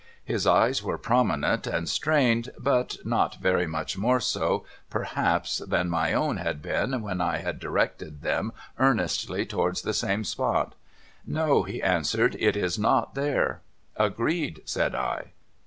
His eyes were prominent and strained, but not very much more so, perhaps, than my own had been when I had directed them earnestly towards the same spot. ' No,' he answered. ' It is not there.' ' Agreed,' said I.